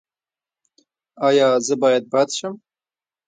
ایا زه باید بد شم؟